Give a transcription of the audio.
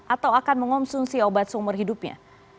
atau akan mengonsumsi obat seumur hidupnya